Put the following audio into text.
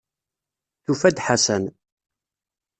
Tufa-d Ḥasan.